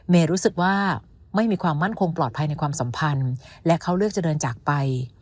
รู้สึกว่าไม่มีความมั่นคงปลอดภัยในความสัมพันธ์และเขาเลือกจะเดินจากไป